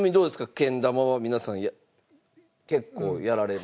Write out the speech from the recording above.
けん玉は皆さん結構やられます？